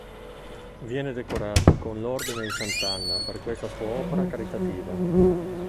Viene decorato con l'Ordine di Sant'Anna per questa sua opera caritativa.